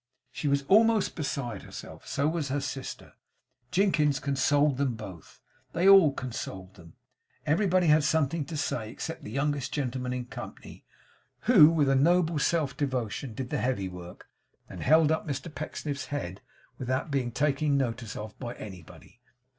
She was almost beside herself. So was her sister. Jinkins consoled them both. They all consoled them. Everybody had something to say, except the youngest gentleman in company, who with a noble self devotion did the heavy work, and held up Mr Pecksniff's head without being taken notice of by anybody.